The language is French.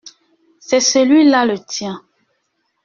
C’est celui-là le tien.